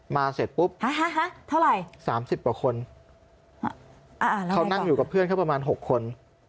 เสร็จปุ๊บเท่าไหร่๓๐กว่าคนเขานั่งอยู่กับเพื่อนเขาประมาณ๖คน